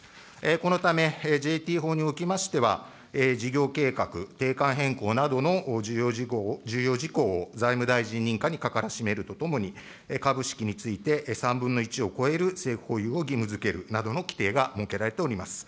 このため、ＪＴ法におきましては、事業計画、定款変更などの重要事項を財務大臣認可にかからしめるとともに、株式について３分の１を超える政府保有を義務づけるなどの規定が設けられております。